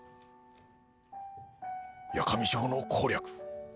八上城の攻略。